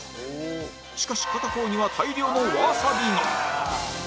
しかし片方には大量のワサビが！